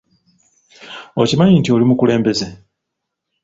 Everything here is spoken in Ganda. Okimanyi nti oli mukulembeze?